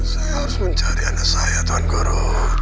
saya harus mencari anak saya tuan guru